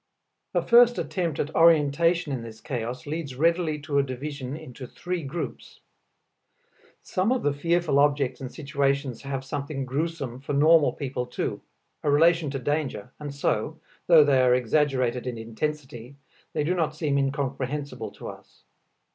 A first attempt at orientation in this chaos leads readily to a division into three groups. Some of the fearful objects and situations have something gruesome for normal people too, a relation to danger, and so, though they are exaggerated in intensity, they do not seem incomprehensible to us.